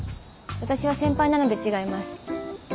私は先輩なので違います。